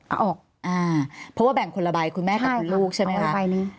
เอาออกอ่าเพราะว่าแบ่งคนละใบคุณแม่กับคุณลูกใช่ไหมคะ